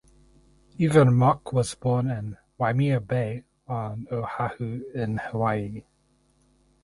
Evan Mock was born in Waimea Bay on Oahu in Hawaii.